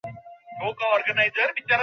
ঠিক আছে আমি কি সহজ করে বলবো?